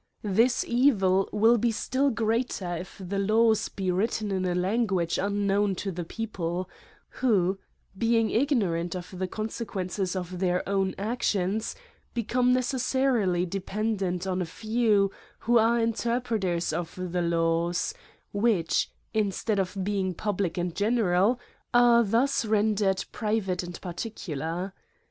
This evil will be still greater if the laws be written in a language unknown to the people ; who, being ignorant of the consequences of their own actions, become necessarily dependent on a few, who are interpre ters of the laws, which, instead of being public and general, are thus rendered private and parti cular.